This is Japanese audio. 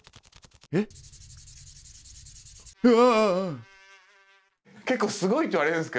えっ？うわ！